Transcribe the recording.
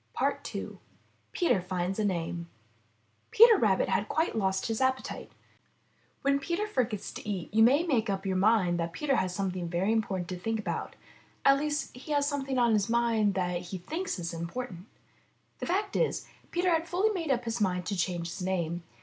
II PETER FINDS A NAME Peter Rabbit had quite lost his appetite. When Peter forgets to eat you may make up your mind that Peter has something very important to think about. At least he has something on his mind that he thinks is important. The fact is, Peter had fully made up his mind to change his name.